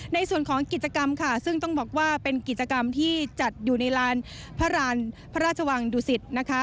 ในส่วนของกิจกรรมค่ะซึ่งต้องบอกว่าเป็นกิจกรรมที่จัดอยู่ในลานพระราชวังดุสิตนะคะ